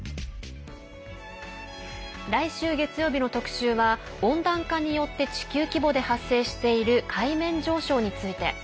来週、月曜日の特集は温暖化によって地球規模で発生している海面上昇について。